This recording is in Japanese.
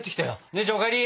姉ちゃんお帰り！